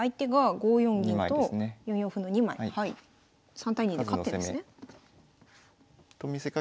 ３対２で勝ってるんですね。